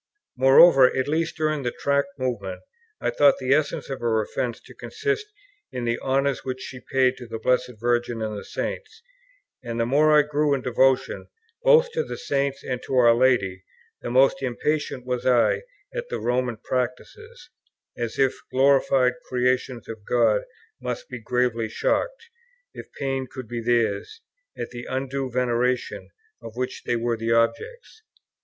Moreover, at least during the Tract Movement, I thought the essence of her offence to consist in the honours which she paid to the Blessed Virgin and the Saints; and the more I grew in devotion, both to the Saints and to our Lady, the more impatient was I at the Roman practices, as if those glorified creations of God must be gravely shocked, if pain could be theirs, at the undue veneration of which they were the objects.